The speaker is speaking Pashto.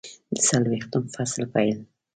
د څلویښتم فصل پیل